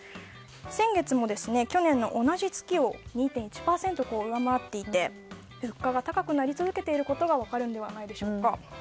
先月も去年の同じ月を２．１％上回っていて物価が高くなり続けていることが分かるのではないでしょうか。